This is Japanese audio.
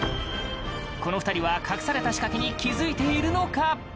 この２人は、隠された仕掛けに気付いているのか？